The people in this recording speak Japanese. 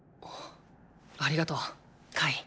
ありがとうカイ。